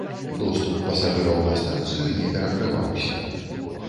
Доступ пасажыраў на станцыю не перакрываўся.